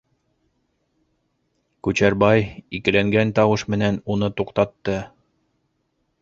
Күчәрбай, икеләнгән тауыш менән уны туҡтатты: